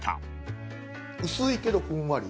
薄いけどふんわり。